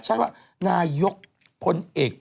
จากธนาคารกรุงเทพฯ